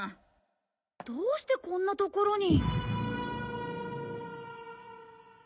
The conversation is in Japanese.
どうしてこんな所に。